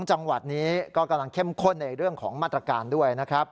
จังหวัดนี้ก็กำลังเข้มข้นในเรื่องของมาตรการด้วยนะครับ